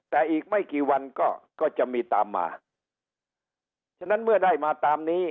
แต่อีกไม่กี่วันก็ก็จะมีตามมาฉะนั้นเมื่อได้มาตามนี้